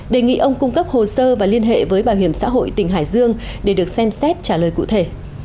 đề nghị ông cung cấp hồ sơ và liên hệ với bảo hiểm xã hội tỉnh hải dương để được xem xét trả lời cụ thể